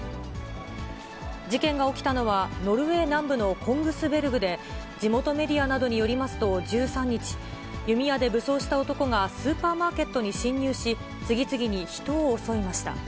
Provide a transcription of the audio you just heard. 事件が起きたのは、ノルウェー南部のコングスベルグで、地元メディアなどによりますと、１３日、弓矢で武装した男がスーパーマーケットに侵入し、次々に人を襲いました。